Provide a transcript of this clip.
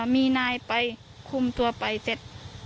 มีนายไปคุมตัวไปเสร็จ